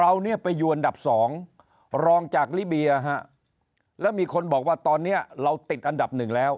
เราเนี่ยไปอยู่อันดับสองรองจากลิเบียฮะแล้วมีคนบอกว่าตอนนี้เราติดอันดับหนึ่งแล้ว